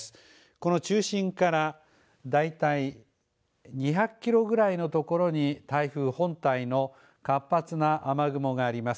この中心から大体２００キロぐらいのところに台風本体の活発な雨雲があります。